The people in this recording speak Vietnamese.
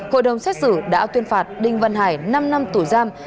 hội đồng xét xử đã tuyên phạt đinh văn hải năm năm tù giam